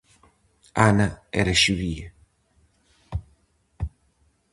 Ana era xudía.